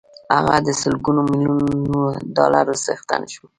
هغه د سلګونه ميليونه ډالرو څښتن شو.